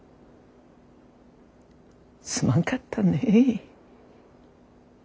すまんかったね。